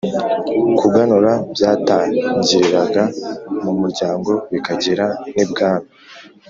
Kuganura byatangiriraga mu muryango bikagera n’ibwami,